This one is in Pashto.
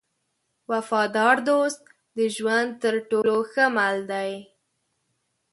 وفادار دوست د ژوند تر ټولو ښه مل دی.